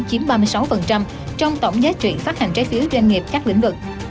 chiếm ba mươi sáu trong tổng giá trị phát hành trái phiếu doanh nghiệp các lĩnh vực